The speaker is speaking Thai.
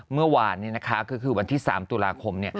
เมื่อวานก็คือวันที่๓ตุลาคม